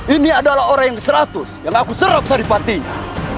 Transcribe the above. ini adalah orang yang seratus yang aku serap saripantinya